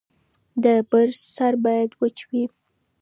د برس سر باید وچ وي.